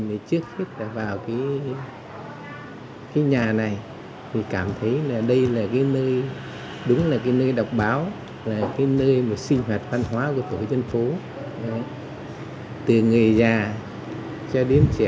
hãy đăng ký kênh để ủng hộ kênh của mình nhé